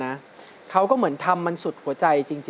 คณะกรรมการเชิญเลยครับพี่อยากให้ก่อนเพื่อนเลย